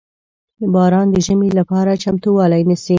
• باران د ژمي لپاره چمتووالی نیسي.